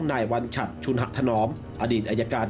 นายวันฉัดชุนหวักถอ